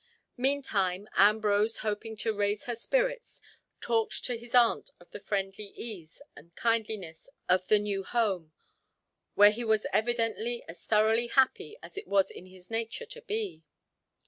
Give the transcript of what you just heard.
Meantime Ambrose, hoping to raise her spirits, talked to his aunt of the friendly ease and kindliness of the new home, where he was evidently as thoroughly happy as it was in his nature to be.